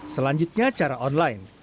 selanjutnya cara online